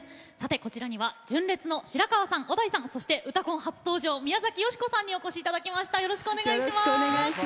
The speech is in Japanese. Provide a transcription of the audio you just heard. こちらには純烈の白川さん、小田井さんそして「うたコン」初登場宮崎美子さんにお越しいただきました。